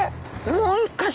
もう一か所。